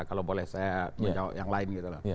kalau boleh saya menjawab yang lain